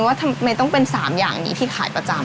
ว่าทำไมต้องเป็น๓อย่างนี้ที่ขายประจำ